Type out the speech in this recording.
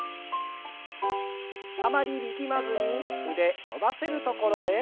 あまり力まずに腕伸ばせるところへ。